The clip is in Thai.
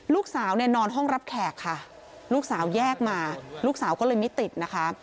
ลูกสาวเนี่ยนอนห้องรับแขกค่ะลูกสาวแยกมาลูกสาวก็เลยไม่ติดนะคะ